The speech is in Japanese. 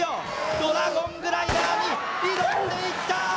ドラゴングライダーに挑んでいった！